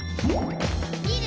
「みる！